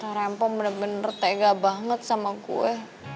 tante rempoh bener bener tega banget sama gue